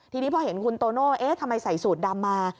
ทีนี้พอเห็นคุณโตโน่เอ๊ะทำไมใส่สูตรดำมา